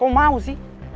kok mau sih